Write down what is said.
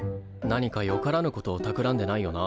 何かよからぬことをたくらんでないよな？